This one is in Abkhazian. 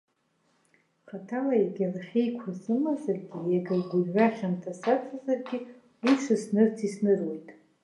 Хаҭала иага лахьеиқәра сымазаргьы, иага гәырҩа хьанҭа саҵазаргьы, уи шыснырц исныруеит.